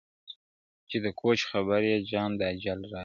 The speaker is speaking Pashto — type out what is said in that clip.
چي د کوچ خبر یې جام د اجل راسي!!